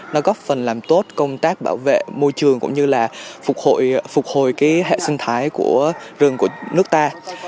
nó góp phần làm tốt công tác bảo vệ môi trường cũng như là phục hồi hệ sinh thái của rừng của nước ta